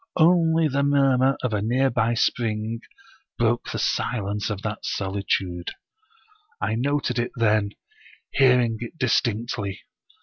Only the murmur of a nearby spring broke the silence of that solitude. I noted it then, hearing it distinctly.